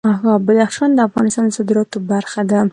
بدخشان د افغانستان د صادراتو برخه ده.